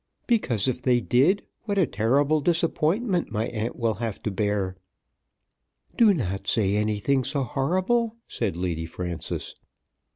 "Because if they did what a terrible disappointment my aunt will have to bear." "Do not say anything so horrible," said Lady Frances.